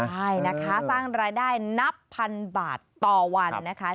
ใช่นะคะสร้างรายได้นับพันบาทต่อวันนะคะ